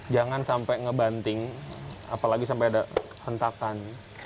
jangan sampai ngebanting apalagi sampai ada hentakan